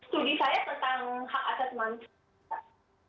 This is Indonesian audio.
studi saya tentang hak asasi manusia